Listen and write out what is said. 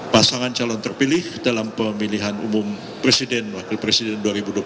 pasangan calon terpilih dalam pemilihan umum presiden wakil presiden dua ribu dua puluh